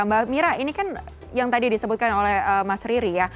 mbak mira ini kan yang tadi disebutkan oleh mas riri ya